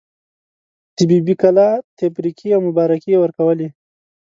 د بي بي کلا تبریکې او مبارکۍ یې ورکولې.